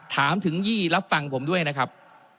ถามถึงยี่รับฟังผมด้วยนะครับ